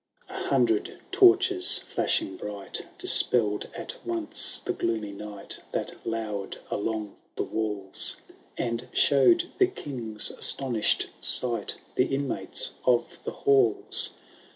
XVI. « A hundred torches, flashing bright. Dispelled at once the gloomy night That loured along the walls. And showed the King's astonished sight The inmates of the halls.